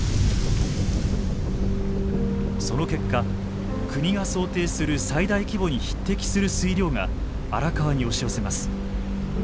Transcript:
その結果国が想定する最大規模に匹敵する水量が荒川に押し寄せます。